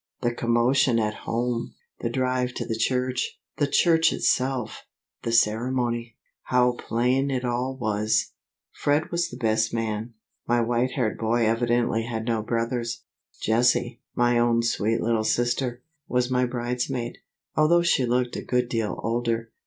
The commotion at home; the drive to the church; the church itself; the ceremony; how plain it all was! Fred was best man; my white haired boy evidently had no brothers. Jessie, my own sweet little sister, was my bridesmaid, although she looked a good deal older.